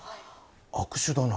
悪手だな。